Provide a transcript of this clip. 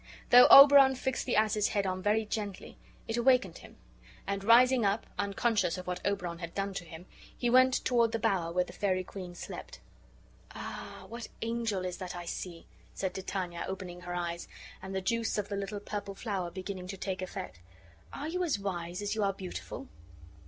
Though Oberon fixed the ass's head on very gently, it awakened him, and, rising up, unconscious of what Oberon had done to him, he went toward the bower where the fairy queen slept. "Ah I what angel is that I see?" said Titania, opening her eyes, and the juice of the little purple flower beginning to take effect. "Are you as wise as you are beautiful?"